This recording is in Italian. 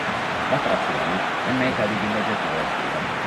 La frazione è meta di villeggiatura estiva.